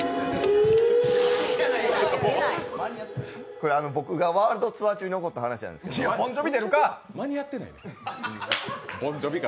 これ、僕がワールドツアー中に起こった話なんですけどボンジョビか！